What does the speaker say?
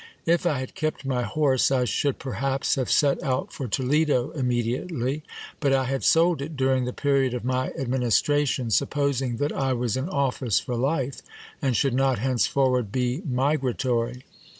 If I had kept my horse, I should perhaps have set out for Toledo immediately ; but I had sold it during the period of my administration, supposing that I was in office for life, and should not henceforward be migra tory.